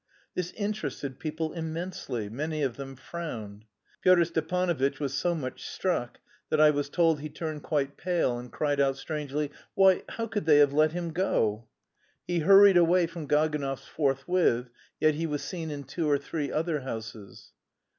This interested people immensely; many of them frowned. Pyotr Stepanovitch was so much struck that I was told he turned quite pale and cried out strangely, "Why, how could they have let him go?" He hurried away from Gaganov's forthwith, yet he was seen in two or three other houses.